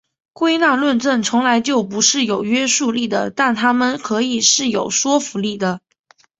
归纳论证从来就不是有约束力的但它们可以是有说服力的。